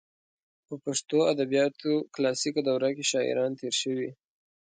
په پښتو ادبیاتو کلاسیکه دوره کې شاعران تېر شوي.